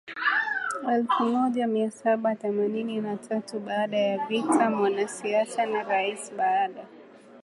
elfu moja mia saba themanini na tatuBaada ya vita mwanasiasa na rais Baada